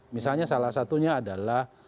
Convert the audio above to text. misalnya salah satunya adalah